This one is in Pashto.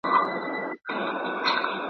نادر ګډ کړل په ښارونو چپاوونه